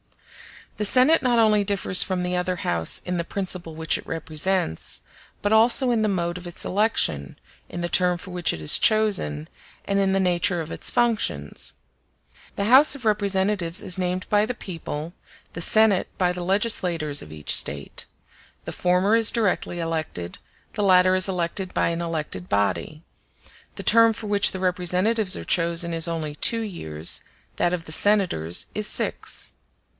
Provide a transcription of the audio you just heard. The Senate not only differs from the other House in the principle which it represents, but also in the mode of its election, in the term for which it is chosen, and in the nature of its functions. The House of Representatives is named by the people, the Senate by the legislators of each State; the former is directly elected, the latter is elected by an elected body; the term for which the representatives are chosen is only two years, that of the senators is six.